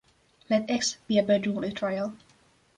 Let "X" be a Bernoulli trial.